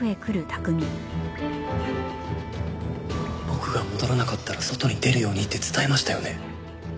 僕が戻らなかったら外に出るようにって伝えましたよね？